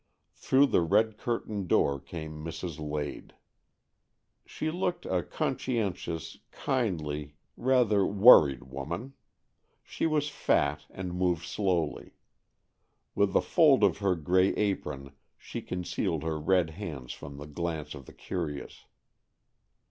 Through the red curtained door came Mrs. Lade. She looked a conscientious, kindly, rather 46 AN EXCHANGE OF SOULS worried woman. She was fat and moved slowly. With a fold of her grey apron she concealed her red hands from the glance of the curious.